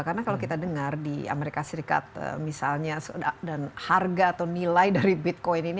karena kalau kita dengar di amerika serikat misalnya dan harga atau nilai dari bitcoin ini